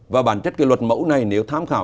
và bản chất cái luật mẫu này nếu tham khảo